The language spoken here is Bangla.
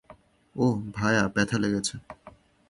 ওহ, ভায়া, ব্যথা লেগেছে।